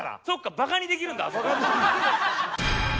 そっかバカにできるんだ。